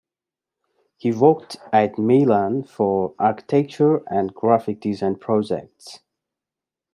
He worked at Milan for architecture and graphic design projects.